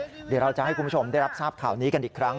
เดี๋ยวเราจะให้คุณผู้ชมได้รับทราบข่าวนี้กันอีกครั้ง